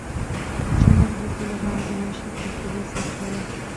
چار مغز د ټولو افغانانو د معیشت یوه طبیعي سرچینه ده.